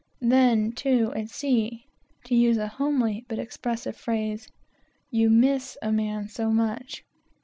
Then, too, at sea to use a homely but expressive phrase you miss a man so much.